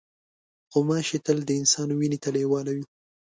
غوماشې تل د انسان وینې ته لیواله وي.